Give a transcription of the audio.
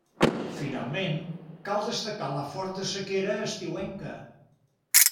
Finalment, cal destacar la forta sequera estiuenca.